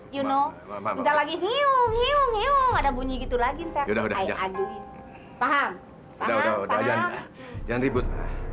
you know ntar lagi hiu ngiu ngiu ada bunyi gitu lagi entar udah udah aduin paham jangan ribut